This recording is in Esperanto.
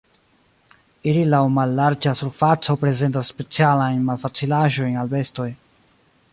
Iri laŭ mallarĝa surfaco prezentas specialajn malfacilaĵojn al bestoj.